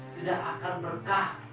tidak akan berkah